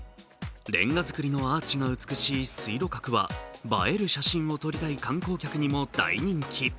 レンガ造りのアーチが美しい水路閣は映える写真を撮りたい観光客にも大人気。